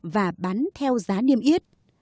và bán theo giá niêm yếp